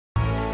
jack mark said